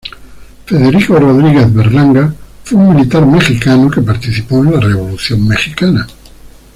Federico Rodríguez Berlanga fue un militar mexicano que participó en la Revolución mexicana.